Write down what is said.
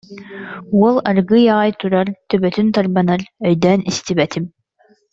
Уол аргыый аҕай турар, төбөтүн тарбанар: «Өйдөөн истибэтим»